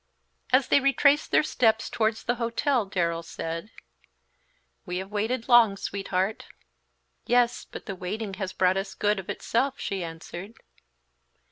As they retraced their steps towards the hotel, Darrell said, "We have waited long, sweetheart." "Yes, but the waiting has brought us good of itself," she answered.